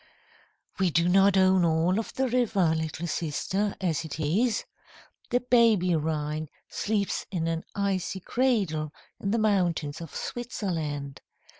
"We do not own all of the river, little sister, as it is. The baby Rhine sleeps in an icy cradle in the mountains of Switzerland.